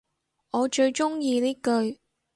我最鍾意呢句